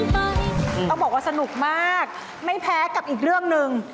ต้องบอกว่าสนุกมากไม่แพ้กับอีกเรื่องหนึ่ง